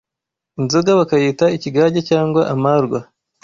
Inzoga bakayita ikigage cyangwa amarwa